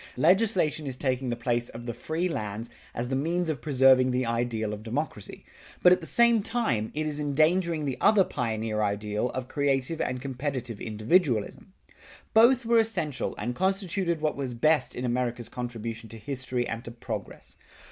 Legislation is taking the place of the free lands as the means of preserving the ideal of democracy. But at the same time it is endangering the other pioneer ideal of creative and competitive individualism. Both were essential and constituted what was best in America's contribution to history and to progress.